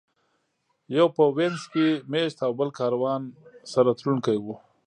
یو په وینز کې مېشت او بل کاروان سره تلونکی و.